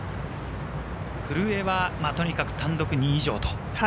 古江はとにかく単独２位以上。